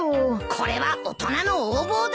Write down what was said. これは大人の横暴だ！